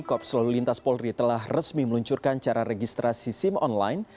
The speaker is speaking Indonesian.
korps lalu lintas polri telah resmi meluncurkan cara registrasi sim online